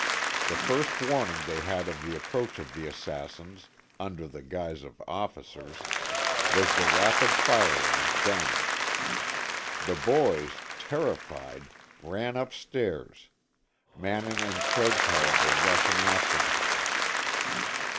The first warning they had of the approach of the assassins, under the guise of officers, was the rapid firing of guns. The boys, terrified, ran up stairs, Mannin and Craig Tolliver rushing after them.